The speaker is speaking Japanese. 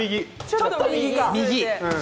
ちょっと右。